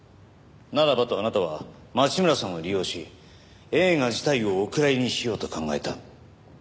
ならばとあなたは町村さんを利用し映画自体をお蔵入りにしようと考えた。